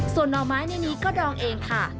ส่วนหน่อไม้ในนี้ก็ดองเองค่ะ